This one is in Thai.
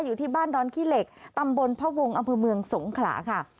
อยู่ที่บ้านดอนขี้เหล็กตำบลพระวงศ์อำเภอเมืองสงขลาค่ะ